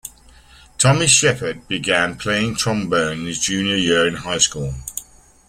Tommy Shepard began playing trombone in his junior year in high school.